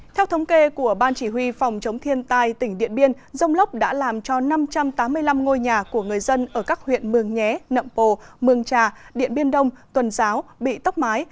theo thống kê của ban chỉ huy phòng chống thiên tai tỉnh điện biên rông lốc đã làm cho năm trăm tám mươi năm ngôi nhà của người dân ở các huyện mường nhé nậm pồ mương trà điện biên đông tuần giáo bị tốc mái